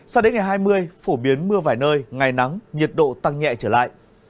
sao đến ngày hai mươi phổ biến mưa vài nơi ngày nắng nhiệt độ tăng nhẹ trở lại